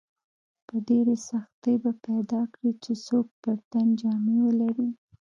په ډېرې سختۍ به پیدا کړې چې څوک پر تن جامې ولري.